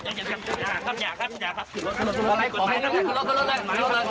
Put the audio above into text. เข้าใจครับเข้าใจความรู้สึกครับ